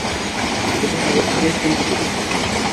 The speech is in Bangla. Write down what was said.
তিনি আগে থেকেই চিন্তিত ছিলেন।